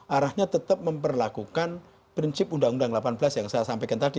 arahnya tetap memperlakukan prinsip undang undang delapan belas yang saya sampaikan tadi